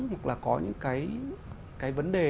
hoặc là có những cái vấn đề